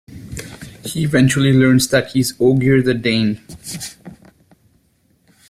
He eventually learns that he is Ogier the Dane.